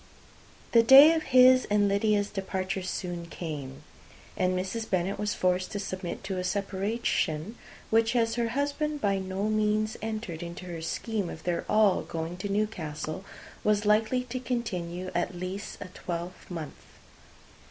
The day of his and Lydia's departure soon came; and Mrs. Bennet was forced to submit to a separation, which, as her husband by no means entered into her scheme of their all going to Newcastle, was likely to continue at least a twelvemonth.